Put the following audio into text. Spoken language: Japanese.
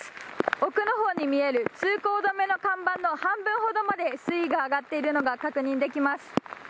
奥の方に見える通行止めの看板の半分ほどまで水位が上がっているのが確認できます。